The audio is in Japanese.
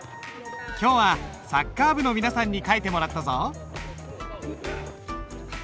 今日はサッカー部の皆さんに書いてもらったぞ。